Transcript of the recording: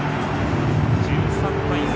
１３対３。